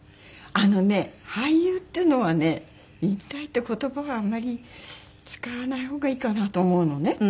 あのね俳優っていうのはね引退って言葉はあまり使わない方がいいかなと思うのね。